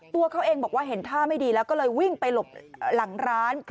ตัวเขาเองบอกว่าเห็นท่าไม่ดีแล้วก็เลยวิ่งไปหลบหลังร้าน